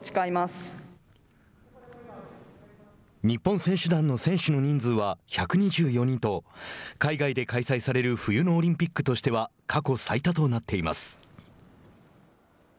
日本選手団の選手の人数は１２４人と海外で開催される冬のオリンピックとしては過去最多となっています。